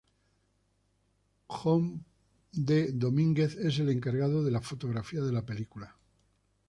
Jon D. Dominguez es el encargado de la fotografía de la película.